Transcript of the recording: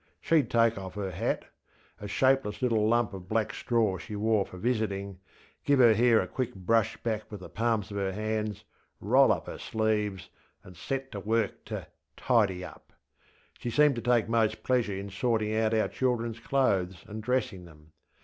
SheŌĆÖd take off her hatŌĆöa shapeless little lump of black straw she wore for visitingŌĆögive her hair a quick brush back with the palms of her hands, roll up her sleeves, and set to work to ŌĆśtidy upŌĆÖ. She seemed to take most pleasure in sorting out our childrenŌĆÖs clothes, and dressing them.